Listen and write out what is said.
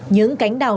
những cánh đáy đáy đáy